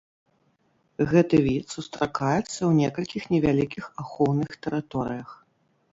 Гэты від сустракаецца ў некалькіх невялікіх ахоўных тэрыторыях.